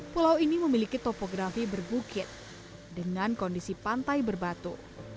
pulau ini memiliki topografi berbukit dengan kondisi pantai berbatu